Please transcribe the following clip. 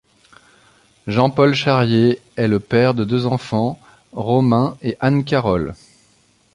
Jean-Paul Charié est le père de deux enfants, Romain et Anne-Carole.